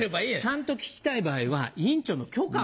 ちゃんと聞きたい場合は委員長の許可を。